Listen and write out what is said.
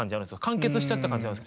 完結しちゃった感じ。